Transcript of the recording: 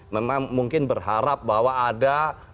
memang mungkin berharap bahwa ada